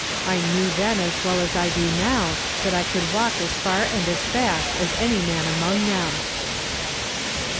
I knew then, as well as I do now, that I could walk as far and a6 fast as any man among them."